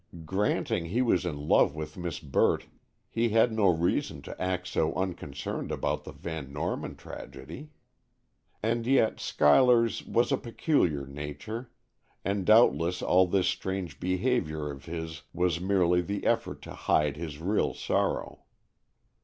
Granting he was in love with Miss Burt, he had no reason to act so unconcerned about the Van Norman tragedy. And yet Schuyler's was a peculiar nature, and doubtless all this strange behavior of his was merely the effort to hide his real sorrow.